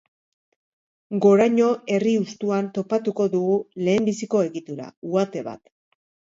Goraño herri hustuan topatuko dugu lehenbiziko egitura, uhate bat.